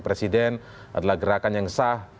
presiden adalah gerakan yang sah